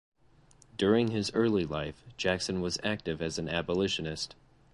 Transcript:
During his early life, Jackson was active as an abolitionist.